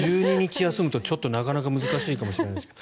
１２日休むと、なかなか難しいかもしれないですけど。